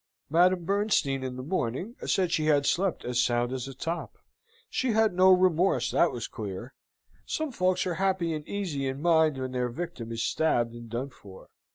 Madame Bernstein, in the morning, said she had slept as sound as a top. She had no remorse, that was clear. (Some folks are happy and easy in mind when their victim is stabbed and done for.)